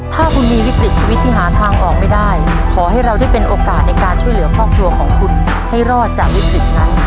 ถ้าคุณมีวิกฤตชีวิตที่หาทางออกไม่ได้ขอให้เราได้เป็นโอกาสในการช่วยเหลือครอบครัวของคุณให้รอดจากวิกฤตนั้น